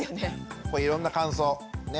いろんな感想ね。